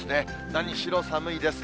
何しろ寒いです。